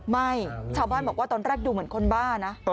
ชาวบ้านบอกว่าตอนแรกดูเหมือนคนบ้านะ